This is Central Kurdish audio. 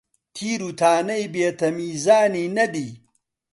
تیر و تانەی بێ تەمیزانی نەدی،